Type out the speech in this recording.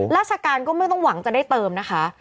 ราชการก็ไม่ต้องหวังจะได้เติมนะคะ